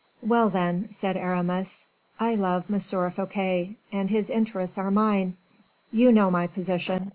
"Well, then," said Aramis, "I love M. Fouquet, and his interests are mine. You know my position.